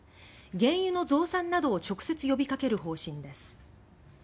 原油の増産などを直接呼びかける方針です。